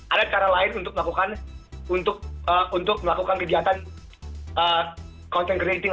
ada cara lain untuk melakukan kegiatan content greenting